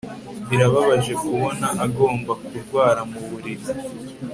Birababaje kubona agomba kurwara mu buriri